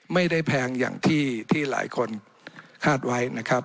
แพงอย่างที่หลายคนคาดไว้นะครับ